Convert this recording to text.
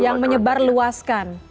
yang menyebar luaskan